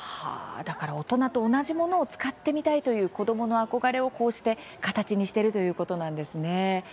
だから大人と同じものを使ってみたいという子どもの憧れをこうして形にしているということなんですね。